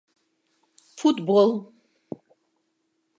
ФУТБОЛ